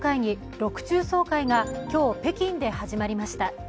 六中総会が今日、北京で始まりました。